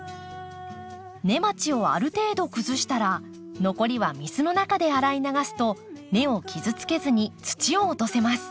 根鉢をある程度崩したら残りは水の中で洗い流すと根を傷つけずに土を落とせます。